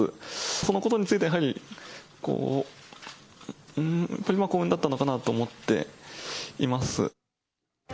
そのことについてやはり、本当に幸運だったのかなというふうに思っています。